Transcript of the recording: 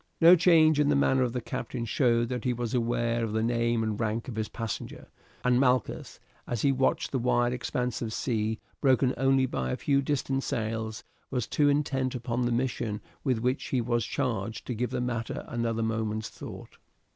No change in the manner of the captain showed that he was aware of the name and rank of his passenger, and Malchus, as he watched the wide expanse of sea, broken only by a few distant sails, was too intent upon the mission with which he was charged to give the matter another moment's thought.